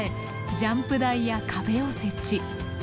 ジャンプ台や壁を設置。